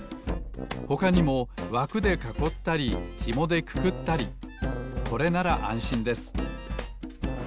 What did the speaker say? ほかにもわくでかこったりひもでくくったりこれならあんしんです。